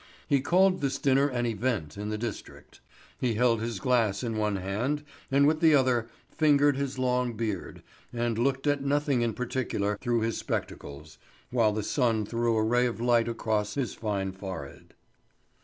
He called this dinner an event in the district. He held his glass in one hand, and with the other fingered his long beard, and looked at nothing in particular through his spectacles, while the sun threw a ray of light across his fine forehead.